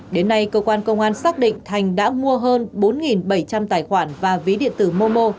đến nay cơ quan công an xác định thành đã mua hơn bốn bảy trăm linh tài khoản và ví điện tử momo